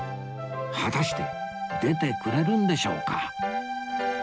果たして出てくれるんでしょうか？